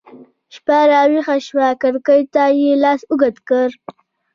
شپه راویښه شوه کړکۍ ته يې لاس اوږد کړ